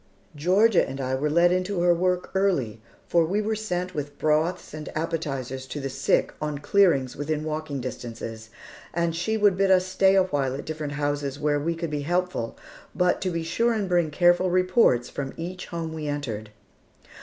Georgia and I were led into her work early, for we were sent with broths and appetizers to the sick on clearings within walking distances; and she would bid us stay a while at different houses where we could be helpful, but to be sure and bring careful reports from each home we entered.